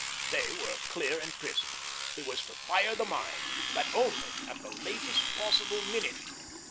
They were clear and crisp he was to fire the mine, but only at the latest possible minute.